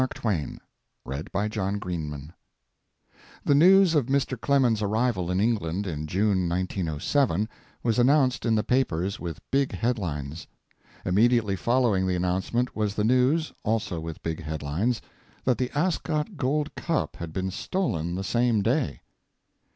THE ASCOT GOLD CUP The news of Mr. Clemens's arrival in England in June, 1907, was announced in the papers with big headlines. Immediately following the announcement was the news also with big headlines that the Ascot Gold Cup had been stolen the same day.